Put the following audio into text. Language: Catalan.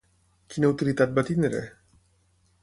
Quina utilitat va tenir?